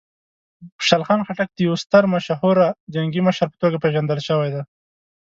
خوشحال خان خټک د یوه ستر مشهوره جنګي مشر په توګه پېژندل شوی و.